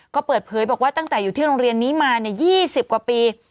ก็เปิดเผยบอกว่าตั้งแต่อยู่ที่โรงเรียนนี้มา๒๐กว่าปี